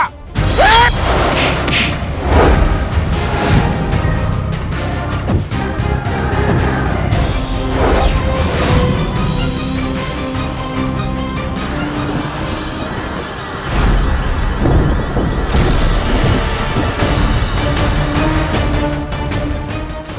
masih di mana